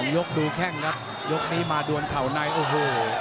ยกดูแข้งครับยกนี้มาดวนเข่าในโอ้โห